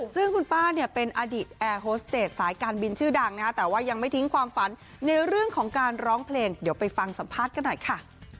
ซึ่งคุณป้าเนี่ยเป็นอดีตแอร์โฮสเตจสายการบินชื่อดังนะคะแต่ว่ายังไม่ทิ้งความฝันในเรื่องของการร้องเพลงเดี๋ยวไปฟังสัมภาษณ์กันหน่อยค่ะ